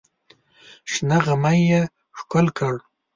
شنه غمی یې ښکل کړ.